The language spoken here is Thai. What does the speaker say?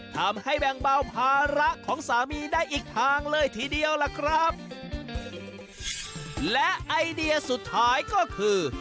ทำให้แบ่งเบาภาระของสามีได้อีกทางเลยทีเดียวล่ะครับและไอเดียสุดท้ายก็คือ